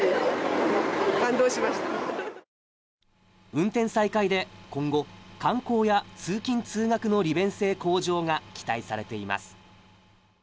運転再開で、今後、観光や通勤通学の利便性向上が期待されています。